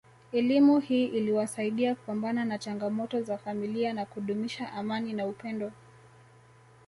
Elimu hii iliwasaidia kupambana na changamoto za familia na kudumisha amani na upendo